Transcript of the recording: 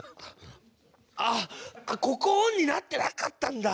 あっここオンになってなかったんだ！